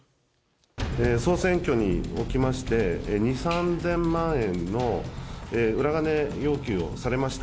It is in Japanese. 総選挙におきまして、２、３０００万円の裏金要求をされました。